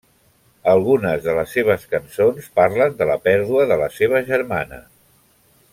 Algunes de les seves cançons parlen de la pèrdua de la seva germana.